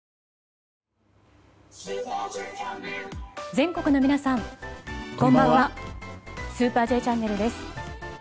全国の皆さん、こんばんは「スーパーＪチャンネル」です。